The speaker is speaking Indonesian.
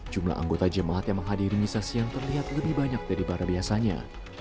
jumlah anggota jemaat yang menghadiri misa siang terlihat lebih banyak daripada biasanya